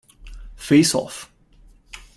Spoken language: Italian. Face Off